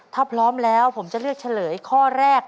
ถ้าพร้อมแล้วผมจะเลือกเฉลยข้อแรก